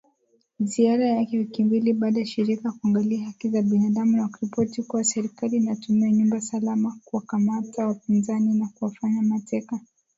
Ziara yake ya wiki mbili baada ya shirika kuangalia Haki za binadamu na kuripoti kua serikali inatumia nyumba salama kuwakamata wapinzani na kuwafanya mateka